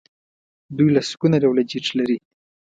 دوی لسګونه ډوله جیټ لري.